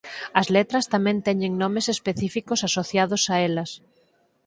As letras tamén teñen nomes específicos asociados a elas.